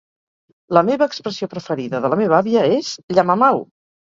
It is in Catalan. La meva expressió preferida de la meva àvia és: llamamau!